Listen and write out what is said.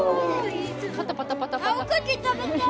パタパタパタパタ。